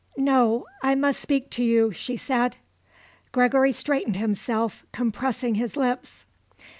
"No; I must speak to you," she said. Gregory straightened himself, compressing his lips.